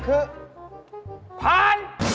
คือพาน